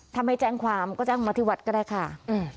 ถ้าไม่แจ้งความก็แจ้งมาที่วัดก็ได้ค่ะ